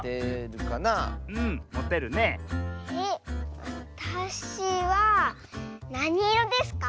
わたしはなにいろですか？